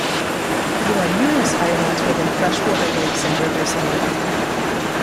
There are numerous islands within freshwater lakes and rivers in England.